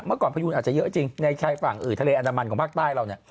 เมื่อก่อนพยูนอาจจะเยอะจริงในชายฝั่งทะเลอันดามันของภาคใต้เราเนี่ย